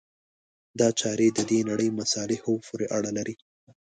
دا چارې د دې نړۍ مصالحو پورې اړه لري.